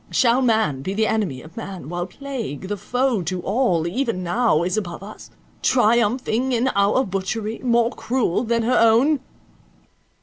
Shall man be the enemy of man, while plague, the foe to all, even now is above us, triumphing in our butchery, more cruel than her own?"